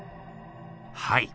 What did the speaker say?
はい。